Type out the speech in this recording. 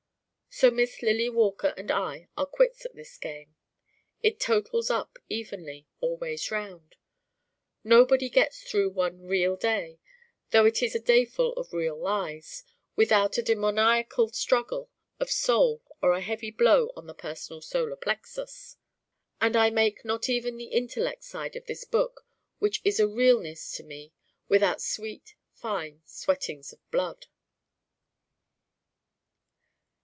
So Miss Lily Walker and I are quits at this game. It totals up evenly, all ways around. Nobody gets through one Real day though it be a dayful of Real lies without a demoniacal struggle of soul or a heavy blow on the personal solar plexus. And I make not even the intellect side of this book, which is a Realness to me, without sweet fine sweatings of blood.